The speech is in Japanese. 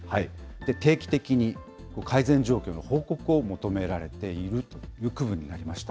定期的に改善状況の報告を求められている区分になりました。